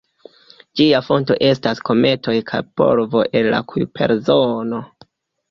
Ĝia fonto estas kometoj kaj polvo el la Kujper-zono.